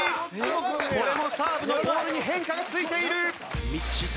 これもサーブのボールに変化がついている！